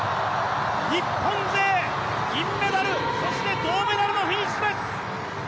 日本勢、銀メダル、そして銅メダルのフィニッシュです。